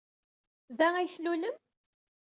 Da ay tlulem?